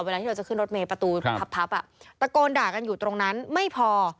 ที่เราจะขึ้นรถเมย์ประตูพับตะโกนด่ากันอยู่ตรงนั้นไม่พอ